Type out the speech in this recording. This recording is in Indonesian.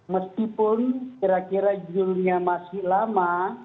meskipun kira kira julnya masih lama